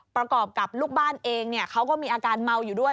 ประกอบกับลูกบ้านเองเขาก็มีอาการเมาอยู่ด้วย